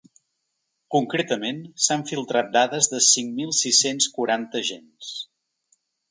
Concretament, s’han filtrat dades de cinc mil sis-cents quaranta agents.